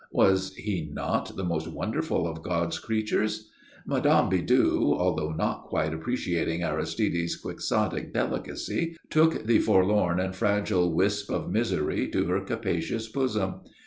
Was he not the most wonderful of God's creatures? Mme. Bidoux, although not quite appreciating Aristide's quixotic delicacy, took the forlorn and fragile wisp of misery to her capacious bosom.